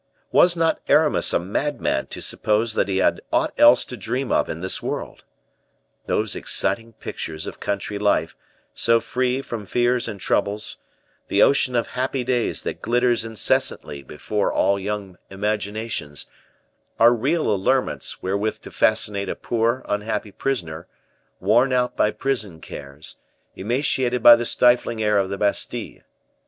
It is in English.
Was not Aramis a madman to suppose that he had aught else to dream of in this world? Those exciting pictures of country life, so free from fears and troubles, the ocean of happy days that glitters incessantly before all young imaginations, are real allurements wherewith to fascinate a poor, unhappy prisoner, worn out by prison cares, emaciated by the stifling air of the Bastile.